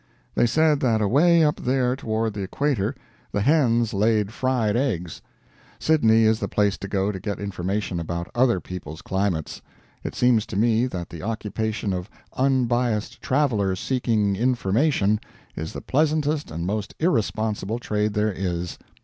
They said that away up there toward the equator the hens laid fried eggs. Sydney is the place to go to get information about other people's climates. It seems to me that the occupation of Unbiased Traveler Seeking Information is the pleasantest and most irresponsible trade there is.